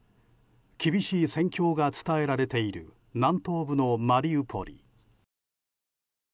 厳しい戦況が伝えられている南東部のマリウポリ。